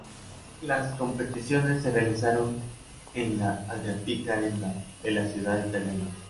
Las competiciones se realizaron en la Adriatic Arena de la ciudad italiana.